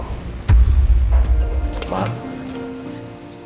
aku semakin gak mengerti kamu